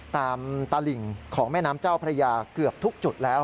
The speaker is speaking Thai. ตลิ่งของแม่น้ำเจ้าพระยาเกือบทุกจุดแล้ว